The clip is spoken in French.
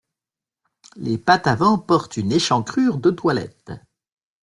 Les pattes avant portent une échancrure de toilette.